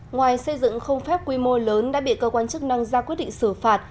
ngoài xây dựng không phép quy mô lớn đã bị cơ quan chức năng ra quyết định xử phạt